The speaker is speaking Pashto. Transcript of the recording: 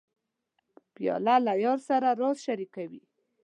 پیاله له یار سره راز شریکوي.